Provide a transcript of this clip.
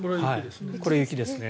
これは雪ですね。